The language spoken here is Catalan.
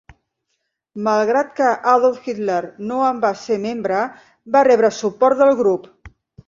Malgrat que Adolf Hitler no en va ser membre, va rebre suport del grup.